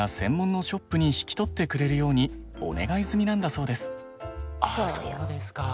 そうですか。